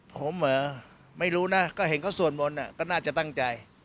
ผมไม่รู้นะก็เห็นเขาส่วนบนก็น่าจะตั้งใจ